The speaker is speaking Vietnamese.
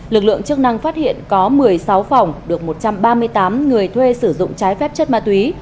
lực lượng chức năng phát hiện có một mươi sáu phòng được một trăm ba mươi tám người thuê sử dụng trái phép chất ma túy